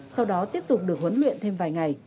sau đó tiếp tục được huấn luyện thêm vài ngày